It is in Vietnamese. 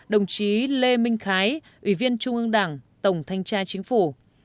ba mươi đồng chí lê minh khái ủy viên trung ương đảng tổng thanh tra chính phủ